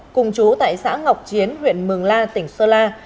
cùng chú tại xã ngọc chiến huyện mường la tỉnh sơn la